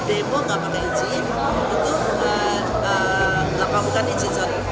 demo tidak pakai izin itu bukan izin